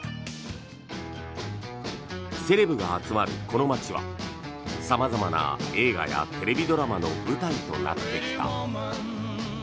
セレブが集まるこの街は様々な映画やテレビドラマの舞台となってきた。